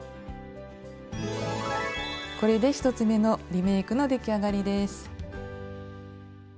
これで１つ目のリメイクの出来上がりです。